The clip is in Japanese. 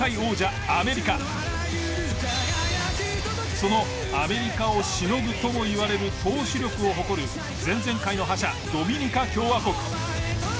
そのアメリカを凌ぐともいわれる投手力を誇る前々回の覇者ドミニカ共和国。